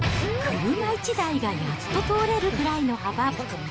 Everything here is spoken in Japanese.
車１台がやっと通れるぐらいの幅。